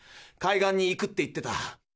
「海岸に行く」って言ってた。